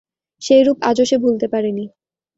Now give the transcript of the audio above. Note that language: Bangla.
সেই রূপ আজও সে ভুলতে পারে নি।